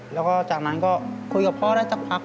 แล้วก็จากนั้นก็คุยกับพ่อได้สักพัก